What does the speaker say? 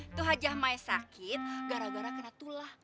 tuh haji hamai sakit gara gara kena tulah